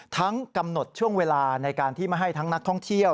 กำหนดช่วงเวลาในการที่ไม่ให้ทั้งนักท่องเที่ยว